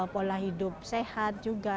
pola hidup sehat juga